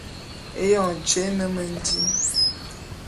Éyoñ tyé é ne mendim.